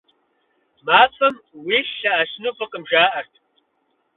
МафӀэм уилъ лъэӀэсыну фӀыкъым, жаӀэрт.